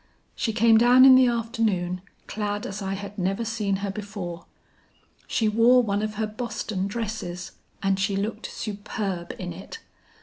She came down in the afternoon clad as I had never seen her before. She wore one of her Boston dresses and she looked superb in it.